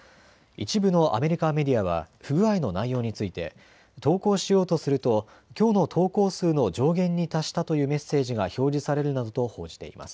一部のアメリカメディアは不具合の内容について投稿しようとするときょうの投稿数の上限に達したというメッセージが表示されるなどと報じています。